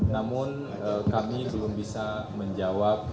namun kami belum bisa menjawab